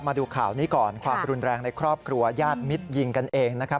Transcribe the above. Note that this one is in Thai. มาดูข่าวนี้ก่อนความรุนแรงในครอบครัวญาติมิตรยิงกันเองนะครับ